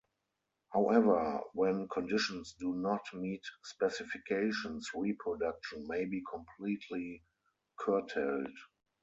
However, when conditions do not meet specifications, reproduction may be completely curtailed.